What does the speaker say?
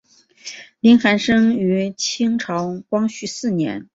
林翰生于清朝光绪四年。